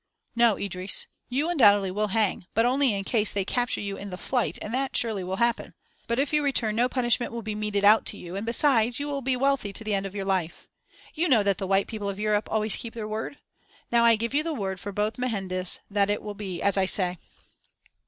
"No, Idris. You undoubtedly will hang, but only in case they capture you in the flight; and that surely will happen. But if you return, no punishment will be meted out to you, and besides you will be wealthy to the end of your life. You know that the white people of Europe always keep their word. Now I give you the word for both Mehendes that it will be as I say."